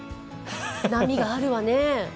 波があるわね。